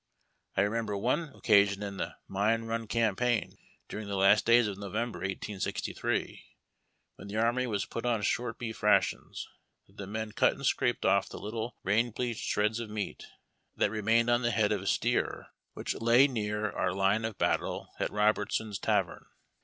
I remember one occasion in the ^line Run Campaign, during the last days of November, 1863, when the army was put on short beef rations, that the men cut and scraped off tlie little rain bleached shreds of meat that remained on the head of a steer which lay near our line of battle at Robertson's Tavern.